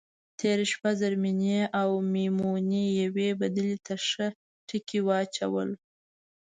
تېره شپه زرمېنې او میمونې یوې بدلې ته ښه ټکي واچول.